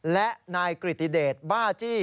และนายกริติเดชบ้าจี้